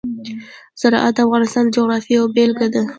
زراعت د افغانستان د جغرافیې یوه بېلګه ده.